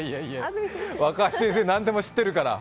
わかはち先生、何でも知ってるから。